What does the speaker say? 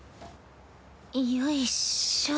よいしょ。